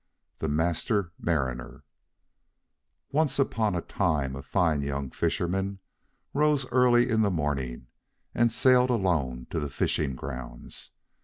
THE MASTER MARINER Once upon a time a fine young fisherman rose early in the morning, and sailed alone to the fishing grounds.